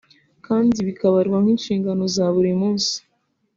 kandi bikabarwa nk’inshingano za buri munsi